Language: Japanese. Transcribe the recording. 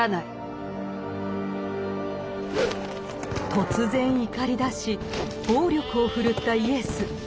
突然怒りだし暴力を振るったイエス。